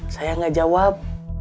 saya tidak jawab